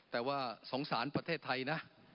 แต่ว่าสงสารประเทศไทยนะ